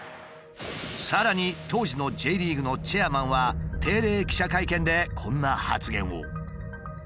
さらに当時のＪリーグのチェアマンは定例記者会見でこんな発言を。